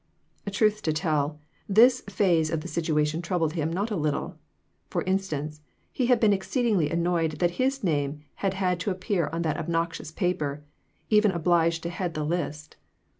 Truth to tell, this phase of the situation troub led him not a little. For instance, he had been exceedingly annoyed that his name had had to appear on that obnoxious paper, even obliged to head the list.